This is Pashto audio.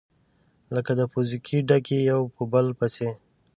لكه د پوزکي ډَکي يو په بل پسي،